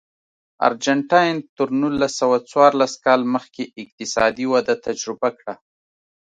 ارجنټاین تر نولس سوه څوارلس کال مخکې اقتصادي وده تجربه کړه.